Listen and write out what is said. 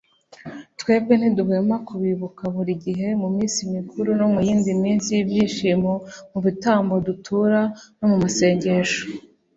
twebwe ntiduhwema kubibuka buri gihe mu minsi mikuru no mu yindi minsi y'ibyishimo, mu bitambo dutura no mu masengesho